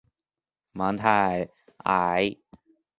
芒泰埃。